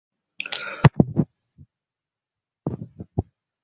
অনেকদিন পর নিসার আলি সাহেব এসেছেন।